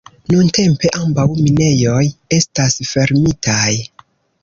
Nuntempe ambaŭ minejoj estas fermitaj.